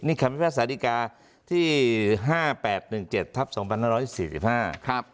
นี่คำวิภาษาดีกาที่๕๘๑๗๒๔๔๕ครับ